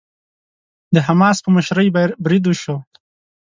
د حماس په مشرۍ بريد وشو.